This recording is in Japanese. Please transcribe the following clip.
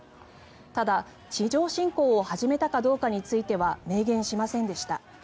ただ、地上侵攻を始めたかどうかについては明言しませんでした。